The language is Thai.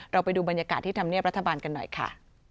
ไปดูบรรยากาศที่ธรรมเนียบรัฐบาลกันหน่อยค่ะ